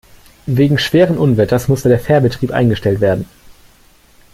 Wegen schweren Unwetters musste der Fährbetrieb eingestellt werden.